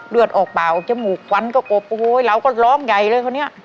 เลือดออกเปล่าจมูกฟันก็กบโอ้โหเราก็ร้องใหญ่เลยคราวนี้